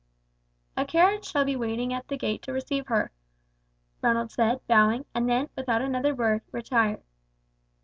"A carriage shall be in waiting at the gate to receive her," Ronald said, bowing, and then, without another word, retired.